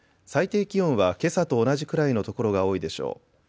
最低気温はけさと同じくらいの所が多いでしょう。